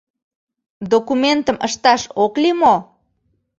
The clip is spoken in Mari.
Документым ышташ ок лий мо?